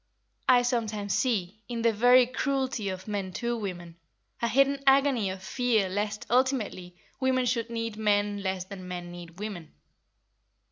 I sometimes see, in the very cruelty of men to women, a hidden agony of fear lest, ultimately, women should need men less than men need women.